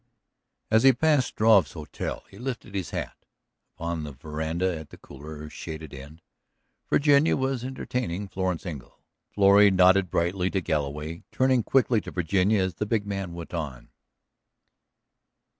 As he passed Struve's hotel he lifted his hat; upon the veranda at the cooler, shaded end, Virginia was entertaining Florence Engle. Florrie nodded brightly to Galloway, turning quickly to Virginia as the big man went on.